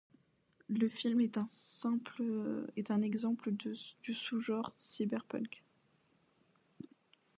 Le film est un exemple du sous-genre cyberpunk.